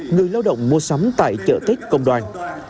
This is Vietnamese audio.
người lao động mua sắm tại chợ tết công đoàn